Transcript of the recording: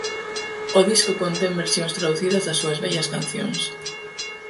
O disco contén versións traducidas das súas vellas cancións.